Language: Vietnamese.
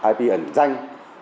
ip ẩn danh